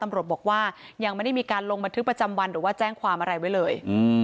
ตำรวจบอกว่ายังไม่ได้มีการลงบันทึกประจำวันหรือว่าแจ้งความอะไรไว้เลย